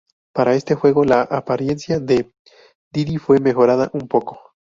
Para este juego, la apariencia de Diddy fue mejorada un poco.